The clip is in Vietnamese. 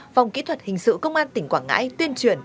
phòng kỹ thuật hình sự công an tỉnh quảng ngãi tuyên truyền